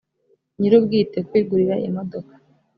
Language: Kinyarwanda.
nyir ubwite kwigurira imodoka